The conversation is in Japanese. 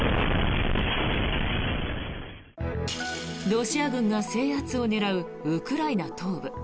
ロシア軍が制圧を狙うウクライナ東部。